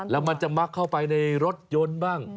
แล้วมันจะมักเข้าไปในรถยนต์บ้าง